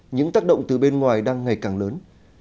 những tác động từ bên ngoài đang ngày càng lớn